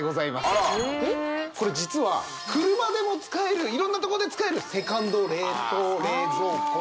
あらこれ実は車でも使える色んなとこで使えるセカンド冷凍冷蔵庫なんです